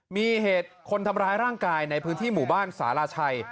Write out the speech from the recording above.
มีเหตุคนทำร้ายร่างกายในพื้นที่หมู่บ้านสาราชัย